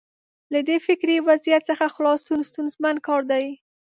له دې فکري وضعیت څخه خلاصون ستونزمن کار دی.